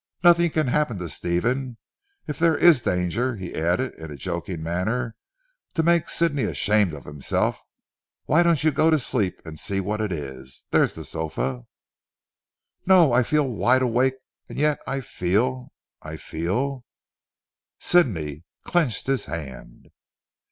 Nothing can happen to Stephen. If there is danger," he added in a joking manner, to make Sidney ashamed of himself, "why don't you go to sleep and see what it is? There is the sofa." "No! I feel wide awake, and yet I feel I feel," Sidney clenched his hand.